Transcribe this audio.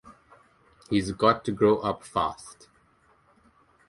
He's got to grow up fast.